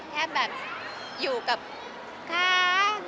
แค่อยู่กับค้า